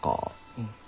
うん。